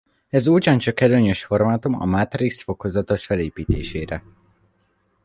Ez ugyancsak előnyös formátum a mátrix fokozatos felépítésére.